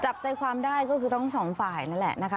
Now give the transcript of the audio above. จับใจความได้ก็คือทั้งสองฝ่ายนั่นแหละนะคะ